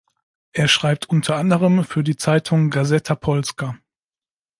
Er schreibt unter anderem für die Zeitung "Gazeta Polska".